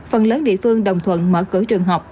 phần lớn địa phương đồng thuận mở cửa trường học